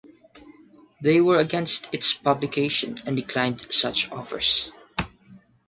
They were against its publication and declined such offers.